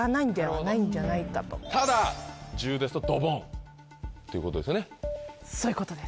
ただ１０ですとドボンということですよね。